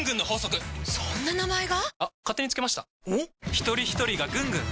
ひとりひとりがぐんぐん！